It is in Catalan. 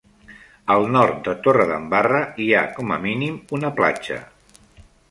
Al nord de Torredembarra hi ha com a mínim una platja.